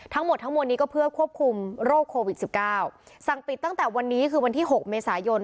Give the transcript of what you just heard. ทั้งหมดทั้งมวลนี้ก็เพื่อควบคุมโรคโควิดสิบเก้าสั่งปิดตั้งแต่วันนี้คือวันที่หกเมษายน